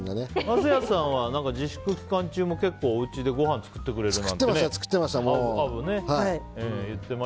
桝谷さんは自粛期間中も結構おうちでごはん作ってくれるって作ってました。